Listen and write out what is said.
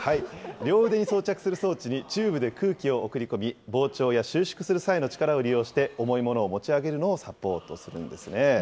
両腕に装着する装置にチューブで空気を送り込み、膨張や収縮する際の力を利用して、重いものを持ち上げるのをサポートするんですね。